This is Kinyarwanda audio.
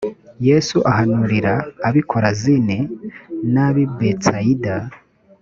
yesu ahanurira ab i korazini n ab i betsayida